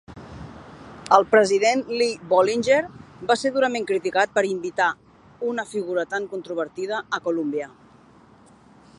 El president Lee Bollinger va ser durament criticat per invitar una figura tan controvertida a Columbia.